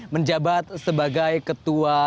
menjabat sebagai ketua